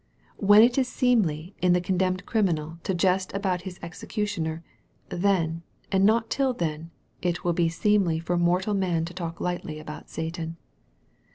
When it is seemly in the condemned criminal to jest about his ex ecutioner, then, and not till then, it will be seemly for mortal man to talk lightly about Satan.